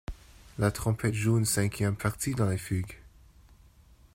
La trompette joue une cinquième partie dans les fugues.